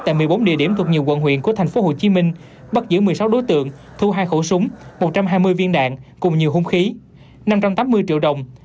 tại một mươi bốn địa điểm thuộc nhiều quận huyện của thành phố hồ chí minh bắt giữ một mươi sáu đối tượng thu hai khẩu súng một trăm hai mươi viên đạn cùng nhiều hung khí năm trăm tám mươi triệu đồng